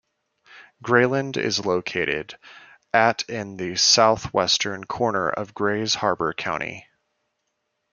Grayland is located at in the southwestern corner of Grays Harbor County.